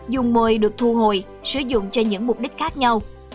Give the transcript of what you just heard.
dung môi được thu hồi sử dụng cho những mục đích khác nhau